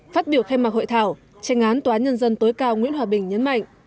phát biểu khai mạc hội thảo tranh án tòa án nhân dân tối cao nguyễn hòa bình nhấn mạnh